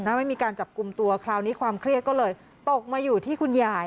ไม่มีการจับกลุ่มตัวคราวนี้ความเครียดก็เลยตกมาอยู่ที่คุณยาย